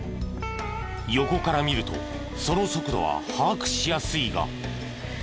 横から見るとその速度は把握しやすいが。